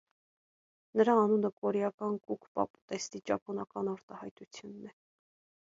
Նրա անունը կորեական կուկպապ ուտեստի ճապոնական արտասանությունն է։